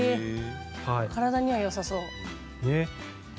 体にはよさそう。